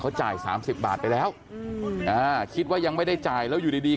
เขาจ่ายสามสิบบาทไปแล้วอืมอ่าคิดว่ายังไม่ได้จ่ายแล้วอยู่ดีดี